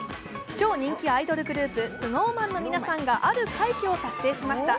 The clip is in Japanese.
超人気アイドルグループ、ＳｎｏｗＭａｎの皆さんがある快挙を達成しました。